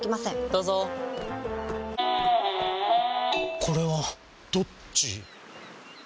どうぞこれはどっち？